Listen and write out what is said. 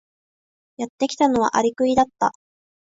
やってきたのはアリクイだった。